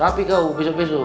rapi kau besok besok